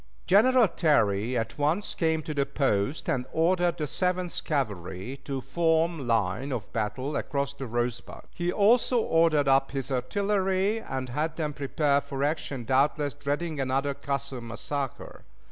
General Terry at once came to the post, and ordered the Seventh Cavalry to form line of battle across the Rosebud; he also ordered up his artillery and had them prepare for action, doubtless dreading another "Custer massacre."